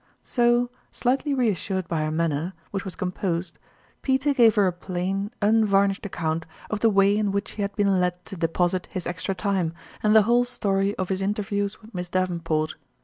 " So, slightly reassured by her manner, which was composed, Peter gave her a plain, un varnished account of the way in which he had been led to deposit his extra time, and the whole story of his interviews with Miss Daven port.